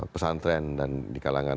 pesantren dan di kalangan